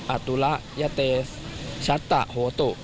อัตุละยะเตสชัตตะโธตุ